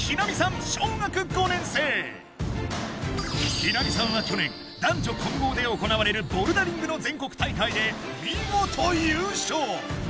陽南美さんは去年男女混合で行われるボルダリングの全国大会で見事優勝！